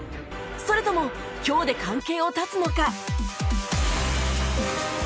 それとも今日で関係を絶つのか？